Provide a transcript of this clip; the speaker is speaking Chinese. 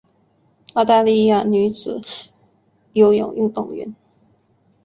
澳大利亚女子游泳运动员。